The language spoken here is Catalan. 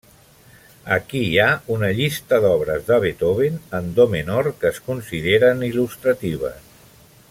Aquí hi ha una llista d'obres de Beethoven en do menor que es consideren il·lustratives.